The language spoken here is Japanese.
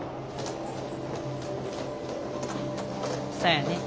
そやね。